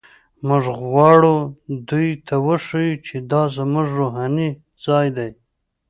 موږ غواړو دوی ته وښیو چې دا زموږ روحاني ځای دی.